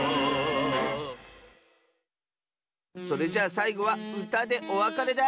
それじゃあさいごはうたでおわかれだ！